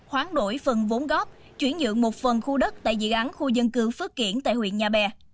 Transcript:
hoán đổi phần vốn góp chuyển nhượng một phần khu đất tại dự án khu dân cư phước kiển tại huyện nhà bè